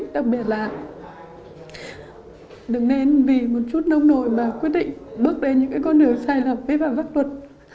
đặc biệt là đừng nên vì một chút nông nổi mà quyết định bước đến những con đường sai lầm với bản pháp luật